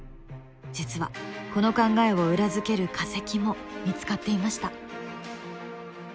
実はこの考えを裏付ける化石も見つかっていました。